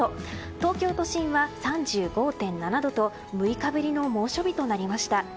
東京都心は３５．７度と６日ぶりの猛暑日となりました。